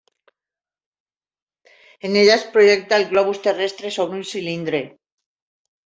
En ella es projecta el globus terrestre sobre un cilindre.